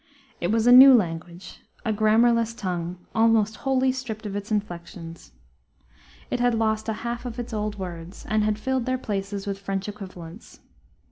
It was a new language, a grammarless tongue, almost wholly stripped of its inflections. It had lost a half of its old words, and had filled their places with French equivalents.